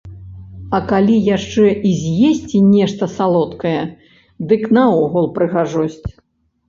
А калі яшчэ і з'есці нешта салодкае, дык наогул прыгажосць.